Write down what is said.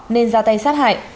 nên ra tay sát hại